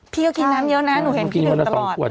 พี่ก็กินน้ำเยอะนะหนูเห็นพี่ดื่มตลอด